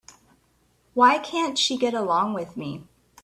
Why can't she get along with me?